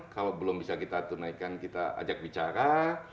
kalau belum bisa kita tunaikan kita ajak bicara